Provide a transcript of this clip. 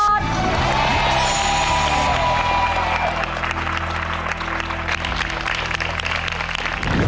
ตอบถูก๓ข้อรับ๑๐๐๐บาท